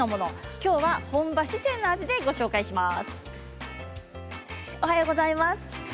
きょうは本場四川の味でご紹介します。